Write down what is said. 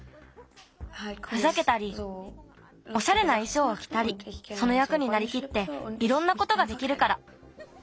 ふざけたりおしゃれないしょうをきたりそのやくになりきっていろんなことができるから。